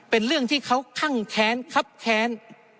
เป็นเรื่องที่เขาคั่งแค้นครับแค้น